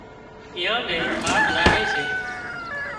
ايئان نين ٿاڪ لاڳي سي